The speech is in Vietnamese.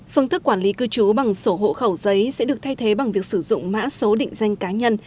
phương thức quản lý cư trú bằng sổ hộ khẩu giấy sẽ được thay thế bằng việc sử dụng mã số định danh cá nhân